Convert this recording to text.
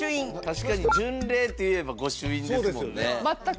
確かに巡礼といえば御朱印ですもんね